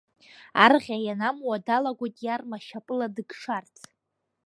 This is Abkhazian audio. Арӷьа ианамуа, далагоит иарма шьапыла дыкшарц.